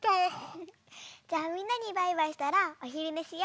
じゃあみんなにバイバイしたらおひるねしよ。